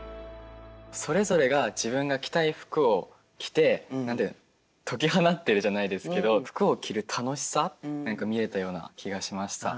それぞれが自分が着たい服を着て解き放っているじゃないですけど服を着る楽しさ何か見えたような気がしました。